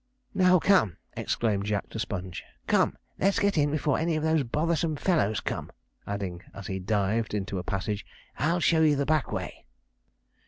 'Now, come!' exclaimed Jack to Sponge, 'come! let's get in before any of those bothersome fellows come'; adding, as he dived into a passage, 'I'll show you the back way.'